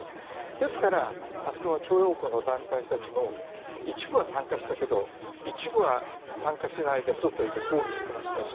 ですから、あそこの徴用工の団体の人たちも一部は参加したけど一部は参加してないで外へ出て抗議してましたでしょ。